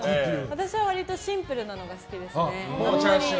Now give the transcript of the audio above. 私は割とシンプルなのが好きですね。